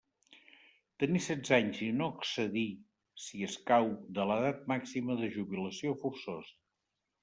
Tenir setze anys i no excedir, si escau, de l'edat màxima de jubilació forçosa.